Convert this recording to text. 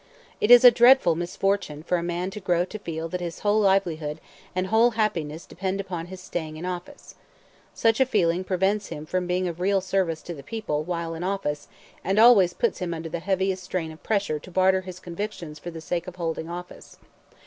It is a dreadful misfortune for a man to grow to feel that his whole livelihood and whole happiness depend upon his staying in office. Such a feeling prevents him from being of real service to the people while in office, and always puts him under the heaviest strain of pressure to barter his convictions for the sake of holding office.